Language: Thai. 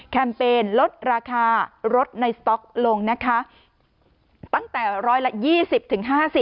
แคมเปญลดราคารดในสต๊อกลงนะคะตั้งแต่ร้อยละ๒๐ถึง๕๐